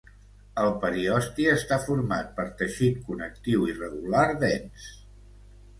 El periosti està format per teixit connectiu irregular dens.